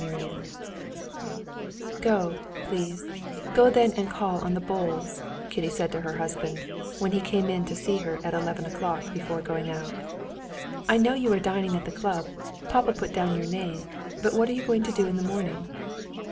Chapter 2 "Go, please, go then and call on the Bols," Kitty said to her husband, when he came in to see her at eleven o'clock before going out. "I know you are dining at the club; papa put down your name. But what are you going to do in the morning?"